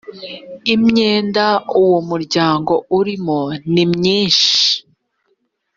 imyenda uwo muryango urimo nimwinshi